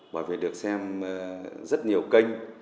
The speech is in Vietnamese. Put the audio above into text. bởi vì được xem rất nhiều kênh